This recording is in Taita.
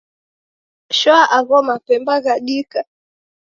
Shoa agho mapemba ghadika.